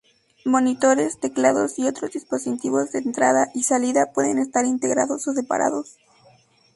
Monitores, teclados y otros dispositivos de entrada y salida pueden estar integrados o separados.